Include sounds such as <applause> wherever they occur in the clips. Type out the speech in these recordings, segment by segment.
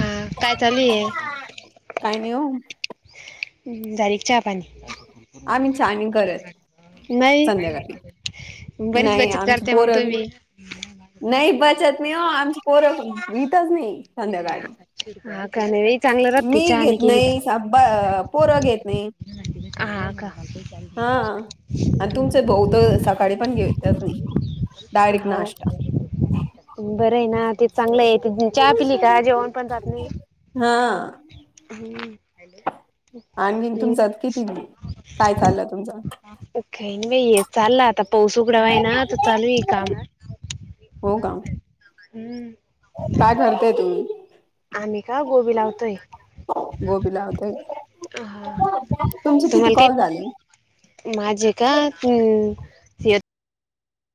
अ काय चालूय काय नाही हो दारीकच्या आम्ही छान करत नाही संध्याकाळी बरीच नाही बचत आमची करते मग तू पोरं मी नाही बचत नाही हो आमची पोरख लतच नाही ते संध्याकाळी स मी घेत नाही पोर घेत नाही हा का हा आणि तुमच बऊत सकाळी पण घेऊ त्याच नाही डायरेक्ट हो नाश्ता बर आहे ना ते चांगलं आहे त चहा पिली का जेवण पण जात नाही हा हम्म आणी नाही, तुमचा किती काय चाललं तुमचा कान व चालला आता पाऊस उघडावा आहे ना तर चालू आहे काम हो का हम्म काय कररतेय तू आम् का गोबी लावतोय गोबी हा. तुमचे किती तुम्हाला कॉल काही झाले माझे का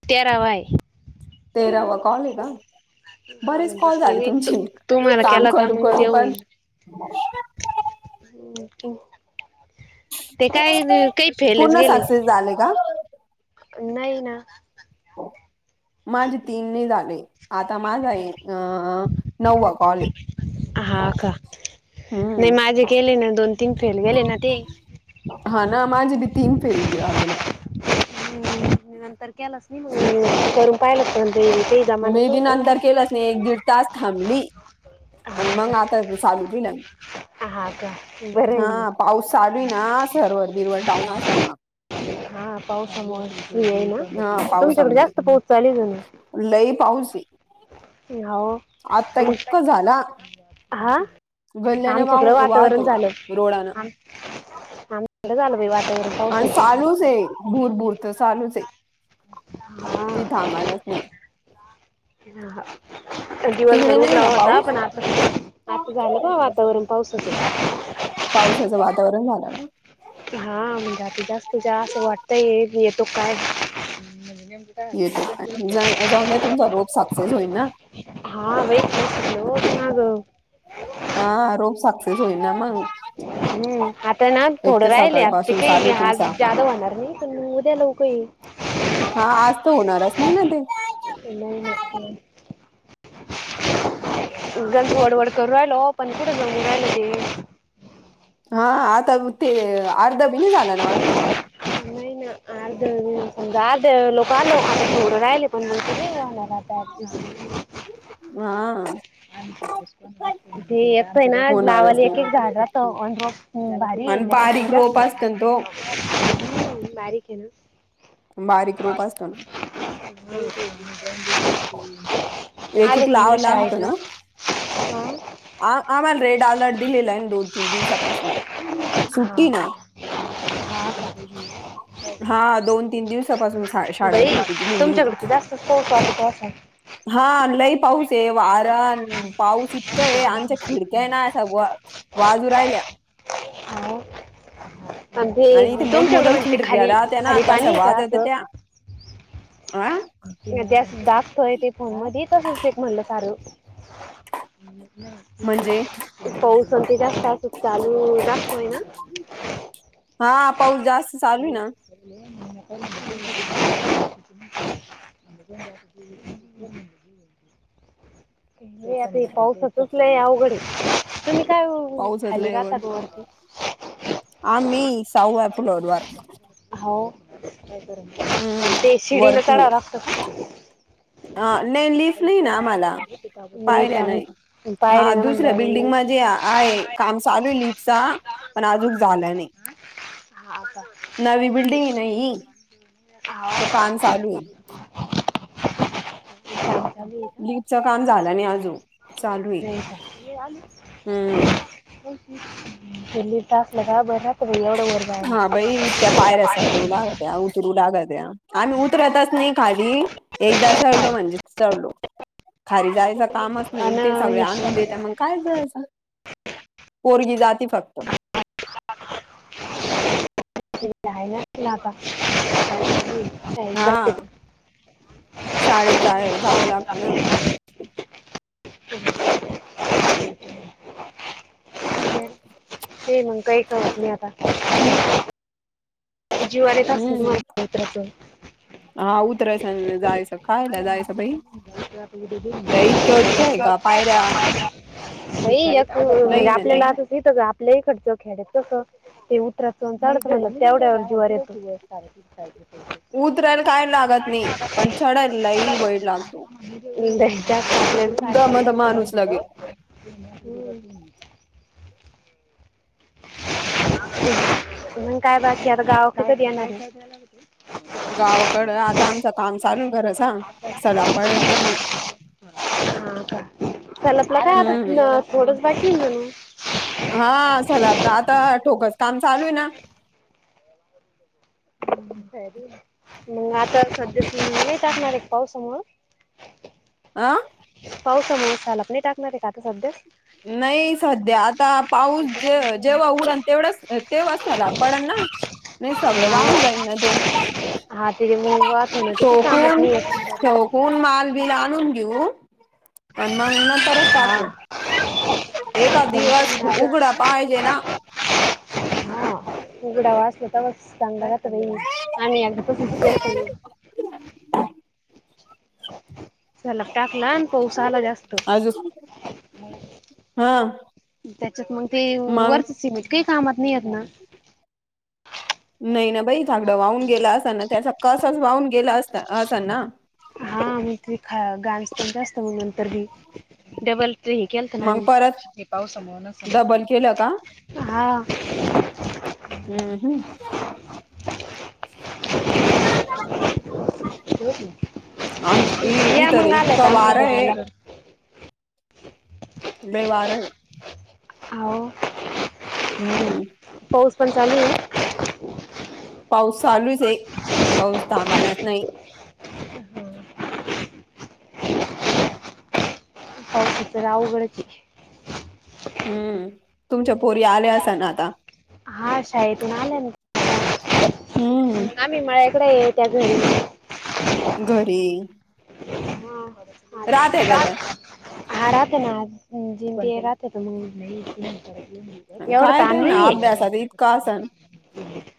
तेरावा आहे तेरावा कॉले का हा बरेच कॉल म्हणजे झाले मी तू तुमची तू मला काम केला का करू मग ते करू पण होईल. <inaudible> ते काय काही फेलच पूर्ण गेले सक्सेस झाले का नाही ना माझे तीनने झाले आता माझ आहे अ नवा हा का नाही हम्म माझे गले ना दोन तीन फेल गेले ना ते हा ना माझे बी तीन फेल आले ना नंतर केलाच करून पाहिलं पण ते ते जमानच मी बी होत नंतर केलंच नाही एक दीड तास थांबली आणि मग आता चालू दि हा का बरं आहे हा ना पाऊस चालू ना सरवर बिरवर टाऊन असल ना हा पावसामुळेो आहे ना हा तुमच्याकडे पावसामुळे जास्त पोच चालेल ना लई पाऊस आहे आता होग इतका झाला हा गल्ल्याने वाह आमच्याकडे वाहत वातावरण होता झालं. रोडाना आम आमच्याकडे झालं बाई वातावरण अ पावसाचं चालूच आहे भूर भूर तर चालूच आहे ती धामालाच नाही ह हा दिवसभर तिकडे नाही उठला ना होता पाऊस पण आ आता झालं ब वातावरण पावसाच पावसाचं वातावरण झालं ना हा म्हणजे आती जास्तुझ असं वाटतय येतो काय युट्यूब ोल जा- जाऊन द्या तुमचा रोप सक्सेस होईल ना हा वई ब हा रोज सक्षक्षस होई ना मग हम्म आता ना एक थोडं तर राहिल अगदी सकाळपासून चालू काही आहे हल तुमचा जादा होणार नाही पण उद्या लऊ काही हा आज तर होणारच नाही ना ते नाही ग वडवड करूयलो ते हा आता ब ते अर्ध नाही ना आर्ध दि सजा आ लोक आलो आताोरं राहिले पण मणार हा ते एकच ना होणारच लावाली एक नाही एक झाड ऑ भारी आहे आणि त्याच्या बारीक रोप मजास्त असतो ना तो बारीक आहे ना बारीक रूप असतो ना एक आले एक का मुलं लावं लागतं शाळेतून ना आ आ मला रेड अलर्ट दिलेला आहे दोन तीन दिवसापासून सुट्टी ना हा हा दोन तीन दिवसापासून बाई शाळाला सुट्टी दिलेली तुमच्याकडे तर जास्तच पाऊस वाटत असेल हा लय पाऊस आर पा कस आहे आमच्या खिडक्या ना अश्या वाजू राहिल्या हो म्हणजे आणि इथे तुमच्याकडे मोठमोठ्या म्हणजे खिडक्या खाली राहत्या ना खाली त्या पाणी अशा आहे का वाजत असं त्या आ ते असं दाबतोय ते फोन मधी तसच ते म्हणलं सार म्हणजे पाऊस अन ते जास्त असं चालू जास्त आहे ना <inaudible> <inaudible> हा पाऊस जास्त <unintelligible> <inaudible> चालू हे आहे ना आता हे पाऊसाच च लय अवघड हे तुम्ही काय पाऊसात खाली लय राहता अवघड का वरती आम्ही सहाव्या फ्लोअर वर का ते शिडी न चढाव लागत आ नाही लिफ्ट नाही ना आम्हाला नाही पायऱ्या का नायी मी हा पायऱ्या ना दुसऱ्या म्हणल्यावर बिल्डिंग मी म्हणजे आहे काम चालू आहे लिफ्ट चा पण आजूक झाल नाही <inaudible> हा आता नवी बिल्डिंग आहे ना ही तो काम चालू आहे हा <inaudible> खाली ये लीपचं का काम झालं नाही अजून चालू आहे. आ ये आली हम्म खालीच असलं का बर राहत हा बई त्या पायऱ्या चढू लागत्या उतरु लागत्या आम्ही उतरतच नाही खाली एकदा चढलो म्हणजे चढलो खाली जायचं कामच नाही ते सगळे आणि आणून देत्या मग काय जायचं पोरगी जाती फक्त ते हाय ना तुला आता हा शाळेत जाय जावं लागतं ना <inaudible> ते- ते मग काही करत नाही आता हजीवावर येत असल ना तुम्हाला हम्म खाली उतरायचं उतरायच अन जायच कायला जायचं बई त्या इतक्या उतक्या आहेत का पायऱ्या ह बई एक म्हणजे आपल्याला आता तिथं आपल्य इकडचं खेड्यात कस ते उतराच अन चढाच म्हणलं तेवढ्यावर जीवावर येत उतरायला काय लागत नाही पण चढायला लयी वेड लागतो त्या दमत स्वप्न्याने माणूस लगे सांगितलेल जास्त करून तिथं मंग काय बाकी आता गावाक कधी येणारेय गावाकड आता आमचं काम चालू खरं सांग सला पडन न मंग हा का सलापला काय आता थोडच बाकी हाय जणू हा सलापला आता ठोकस काम चालू आहे ना मग आता सध्या सलाप नाही टाकणार येका पावसामूळ <inaudible> अ पावसामूळ सलाप नाही टाकणार आहे का आता सध्या नाही सध्या आता पाऊस जे जेव्हा उघडलं तेवढच तेव्हाच सलाप पडण ना नाही सगळं हा वाहून जाईन ना तो हा ते मग वाहत होणं ते काही कामात ठोकून नाही येत. ठोकून मालबिल आणून घेऊ आन मंग नंतरच हा टाकू एका दिवस जमतं ना असं. उघडा पाहिजे ना हा उघडा व असल्या तवाच चांगल राह आणि आता तसंच केलंत ना झलाक टाकला न आजच हा त्याच्यात मग ते मग वरच सीमेट काही कामात नाही आहेत ना नाही ना बाई झागडं वाहून गेला असा ना त्याचा कसच वाहून गेला अस असा ना हा मी ती खा गांस पण जास्त मग नंतरी डबल हे केलत ना मग परत हे पाव समव न डबल केलं का समज हा हम्म <unintelligible> आमचं इ या इथं तर मग आलाय इतका का आम्हाला वारय भेटायला लय वारय आवो. हम्म. पंचालीय. पाऊस चालूचे पाऊस थांबानाच नाय पावसाचतर आवघडचे हम्म तुमच्या पोरी आल्या असा ना आता हा शाळेतून आले ना हम्म आम्ही मळ्या इकडे त्या घरी घरी र्हाते का हा त्या हा राहते ना आज म्हणल ते राहते मग एवढं काय त्यांना तनलई अभ्यासात इतका असन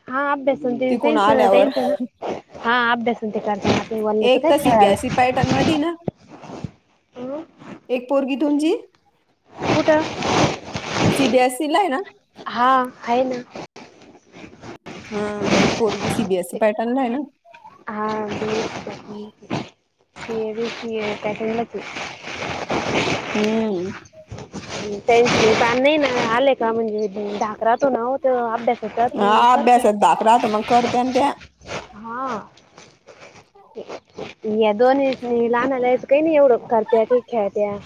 हा अभ्यास तिकून तेेच अं आल्यावर तेच हा अभ्यास ते करतात राती बोल्ले तन ते खेळायला कधी न <unintelligible> एक पोरगी तुमची कुठं सीबीएसई ला आहे ना हा हाय ना हा एक पोरगी सीबीएस ते पॅटनला हाय ना हा सीबीएस पॅटर्न मध्ये सीएबीसीए पॅटर्न मधी हम्म त्यांपी पॅन नाही ना आले का म्हणज. ढाकरात हो ना ते अभ्यासात न हा मग अभ्यासात करतात. धाक राहतो मग करत्या ना त्या हा या. दोन्ही लहनालायच काही नाही एवढं करत्या काही खेळत्या.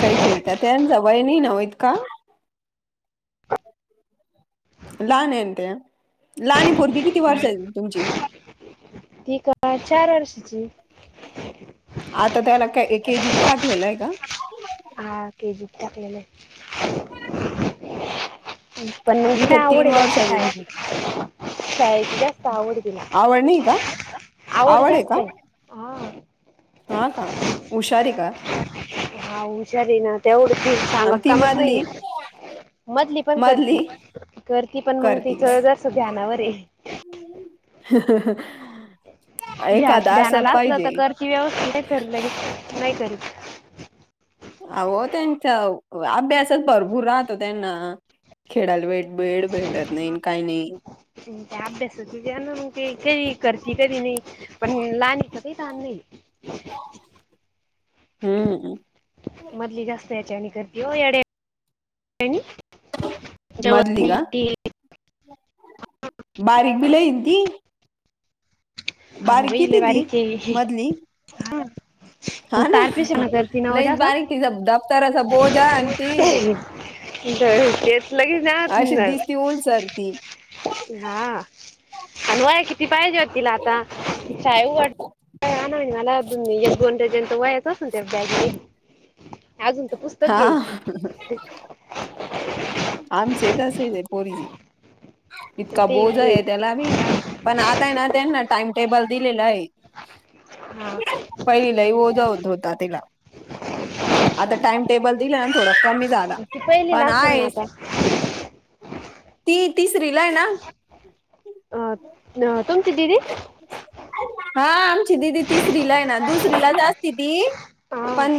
काही खेळता त्यांच वय नाय ना वो ईतका. लहानयना त्या लहान आहे पुरगी किती हा वर्षाचीय तुमची. ती का चार वर्षाची. आता त्याला के केजीत टाकलेलंय का. टाकलेलय. पण तीले इथं तीन आवडय जास्त वर्षाच शाळेची शाळेत. जास्त आवडय तिला आवड नाही का? आवड आहे का? जास्तय हा. हा का हुशारी का. हा हुशारी ना त्यावरी आणि सांगत ती कामच नाहीे. मधली मधली पण करती मधली करती पण मग त करती च का जरास ध्यानावर. हं हं हंहं. ध्यान ध्यानाला असलं तर करती व्यवस्थीत नाही तर नाही नाही करीत. आवो त्यांचा अभ्यासच भरपूर राहतो त्यांना. खेडायला वेड वेड भेटत नईन काय नई. त्या अभ्यासचंयान मग ते कधी करती कधी नाही पण लहानीच काही थान नाही. हम्म. मधली जास्त याच्या आणि. करती वो येडे अणि मधली का? बारीक बी लई ती हाव बारीक बई किती लय ती बारीक ये. मधली? हा ना तारकिशी म करती लईच नवजात ह? बारीक तिचा दप्तराचा बोजा आणि ती अशी दिसती उलसर ती <unintelligible> आलवाय किती पायजत? य उडे मला गोनड जंत व त्या बॅग अजून तर पुस्तक हा घ्यायचे. आमचे तसेच ये पोरगी. आणि इतका ते बोज वे- आहे त्याला बी, पण आताय ना त्यांना टाइम टेबल दिलेलं हये. हा पहिलई ओजा होत होता तिला.. आता टाइम टेबल दिला ना थोडा कमी झाला ती पहिली ला पण असल ना आहेच आता? <inaudible> ती तिसरीलाय ना? अह तुमची दिदी हा आमची दिदी तिसरी ला आहे ना दुसरीलाच आसती ती. हा पण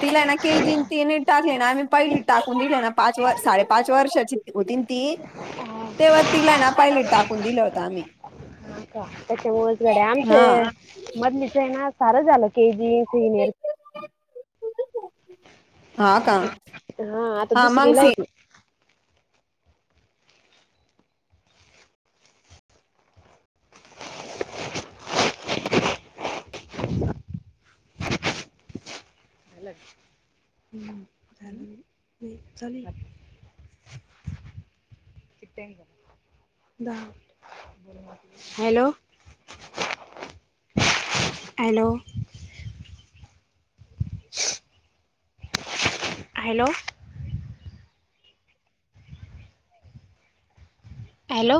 तिला हाय ना के जी न ती ना टाकले ना आम्ही पहिली टाकून दिल ना पाच व साडे पाच वर्षाची होतीन ती. तेव्हा तिला ना पहिलित टाकून दिल होतं आम्ही. का त्याच्यामुळेच गड्या हा आमचं मधलीच आहे ना सार झालं के जी सीनियर हा का? हा आता हा दुसरीला मांगसी हुती. हम्म झालं <unintelligible> हॅलो. हॅलो. Hello, hello,